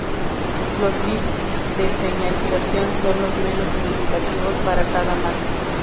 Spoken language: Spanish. Los bits de señalización son los menos significativos para cada marco.